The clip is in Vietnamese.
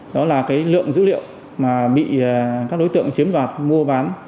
đó là cái lượng dữ liệu mà bị các đối tượng chiếm đoạt mua bán